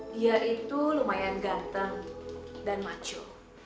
dia itu lumayan ganteng dan macu